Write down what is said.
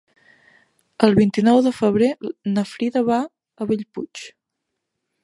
El vint-i-nou de febrer na Frida va a Bellpuig.